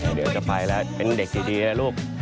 เดี๋ยวเดี๋ยวจะไปแล้วจะเป็นเด็กดีแล้วลูก